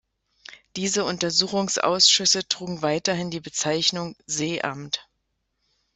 Diese Untersuchungsausschüsse trugen weiterhin die Bezeichnung „Seeamt“.